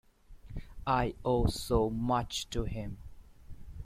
I owe so much to him.